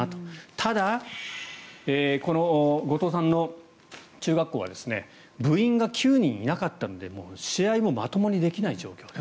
ただ、この後藤さんの中学校は部員が９人いなかったので試合もまともにできなかった状況。